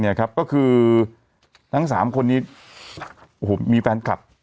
เนี่ยครับก็คือทั้ง๓คนนี้โอ้โหมีแฟนคลับ